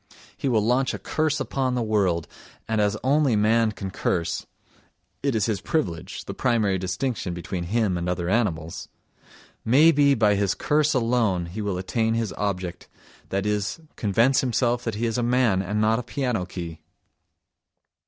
He will launch a curse upon the world, and as only man can curse (it is his privilege, the primary distinction between him and other animals), may be by his curse alone he will attain his object—that is, convince himself that he is a man and not a piano key!